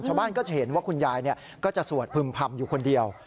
ชาวบ้านก็จะเห็นว่าคุณยายก็จะสวดพึ่มพำอยู่คนเดียว